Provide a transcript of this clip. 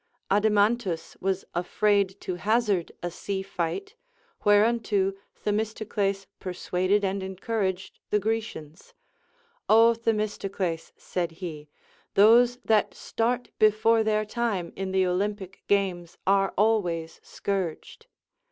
Adimantus was afraid to hazard a sea fight, w hereunto Themistocles per suaded and encouraged the Grecians. Ο Themistocles, said he, those that start before their time in the Olympic games are always scourged.